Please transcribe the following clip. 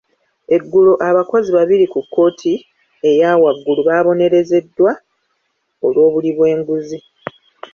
Eggulo abakozi babiri ku kkooti eya waggulu baabonerezeddwa olw'obuli bw'enguzi.